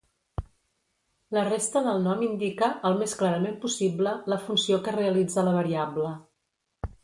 La resta del nom indica, el més clarament possible, la funció que realitza la variable.